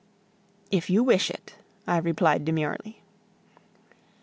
"If you wish it," I replied demurely.